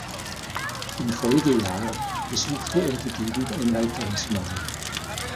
Im Folgejahr besuchte er die Gegend ein weiteres Mal.